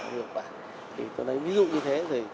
ví dụ như thế thì